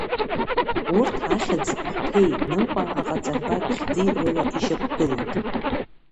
Урҭ ахьыӡтә хәҭеи -ныҟәа аҟаҵарбатә хьӡи рыла ишьақәгылоит…